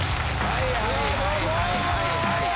はいはいはい。